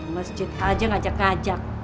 masjid aja ngajak ngajak